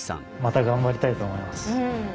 また頑張りたいと思います。